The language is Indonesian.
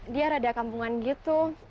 dia rada kampungan gitu